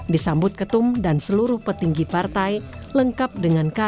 disambut ketum dan seluruh petinggi partai lengkap dengan kata